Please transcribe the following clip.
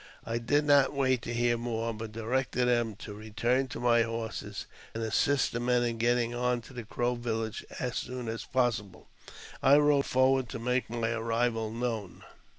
I did not wait to hear more, but directed them to return to my horses and assist the men in getting on to the Crow village as soon as possible. I rode forward to make my arrival known.